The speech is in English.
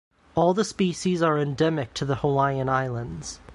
All the species are endemic to the Hawaiian Islands.